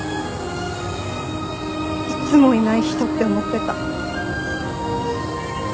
いつもいない人って思ってた。